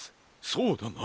そうだな。